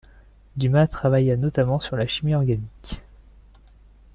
Dumas travailla notamment sur la chimie organique.